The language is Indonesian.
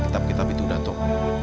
kitab kitab itu dato'